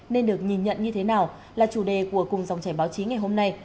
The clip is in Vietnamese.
nên được nhìn nhận như thế nào là chủ đề của cùng dòng chảy báo chí ngày hôm nay